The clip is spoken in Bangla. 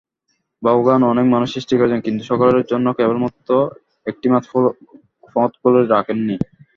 ভগবান অনেক মানুষ সৃষ্টি করেছেন কিন্তু সকলের জন্যে কেবল একটিমাত্র পথ খুলে রাখেন নি।